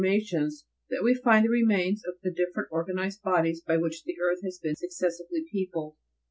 mations that we find the remains of the different organized bodies by which the earth has been successively peopled.